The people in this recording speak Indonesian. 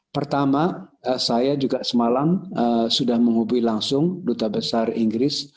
pertama saya juga semalam sudah menghubungi langsung duta besar inggris